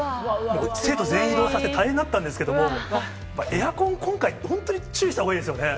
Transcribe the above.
生徒全員移動させて、大変だったんですけれども、エアコン、今回、本当に注意したほうがいいですよね。